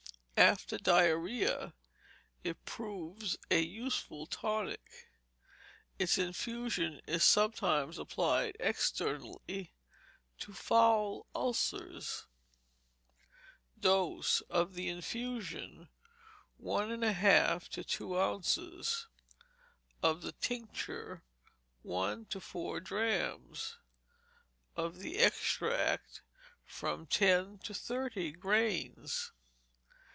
After diarrhoea, it proves a useful tonic. Its infusion is sometimes applied externally to foul ulcers. Dose, of the infusion, one and a half to two ounces; of the tincture, one to four drachms; of the extract, from ten to thirty grains.